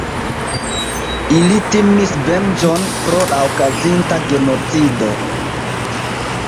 Ili timis venĝon pro la okazinta genocido.